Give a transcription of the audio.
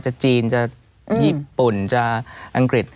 จีนจะญี่ปุ่นจะอังกฤษ